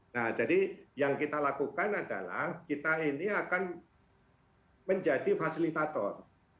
nah jadi yang kita lakukan adalah kita ini akan menjadi fasilitator